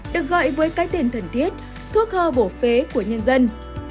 được gọi với cái tên thần thiết thuốc hoa bổ phế của nhân dân